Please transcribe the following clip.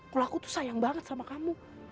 kalau aku tuh sayang banget sama kamu